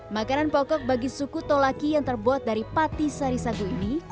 makanan pokok bagi suku tolaki yang terbuat dari pati sari sagu ini